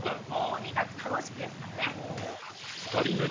とにかく楽しくですからね。